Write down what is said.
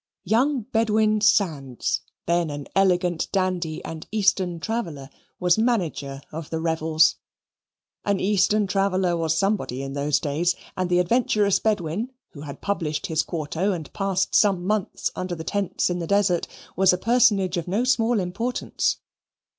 Young Bedwin Sands, then an elegant dandy and Eastern traveller, was manager of the revels. An Eastern traveller was somebody in those days, and the adventurous Bedwin, who had published his quarto and passed some months under the tents in the desert, was a personage of no small importance.